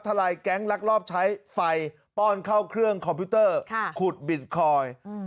ลายแก๊งลักลอบใช้ไฟป้อนเข้าเครื่องคอมพิวเตอร์ขุดบิตคอยน์